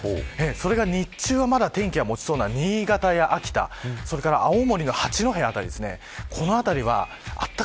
それが日中は、まだ天気が持ちそうな新潟や秋田それから青森の八戸辺りです。